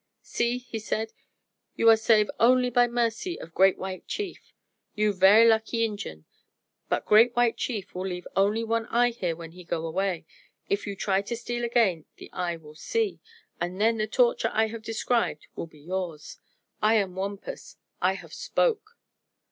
"See," he said; "you are save only by mercy of Great White Chief. You ver' lucky Injun. But Great White Chief will leave only one eye here when he go away. If you try to steal again the eye will see, an' then the torture I have describe will be yours. I am Wampus. I have spoke."